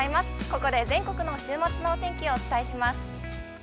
ここで全国の週末のお天気をお伝えします。